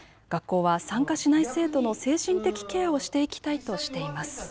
学校は参加しない生徒の精神的ケアをしていきたいとしています。